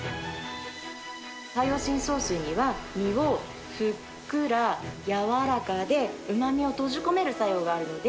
海洋深層水には身をふっくらやわらかでうまみを閉じ込める作用があるので。